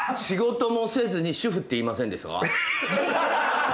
仕事もせずに主夫って言いませんでしたか？